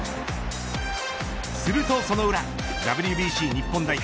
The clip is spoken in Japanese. するとその裏、ＷＢＣ日本代表